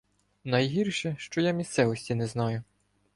Найгірше, що я місцевості не знаю.